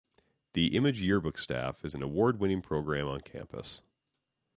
The Image Yearbook Staff is an award winning program on campus.